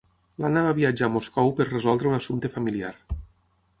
L'Anna va viatjar a Moscou per resoldre un assumpte familiar.